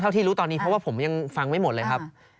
ที่รู้ตอนนี้เพราะว่าผมยังฟังไม่หมดเลยครับ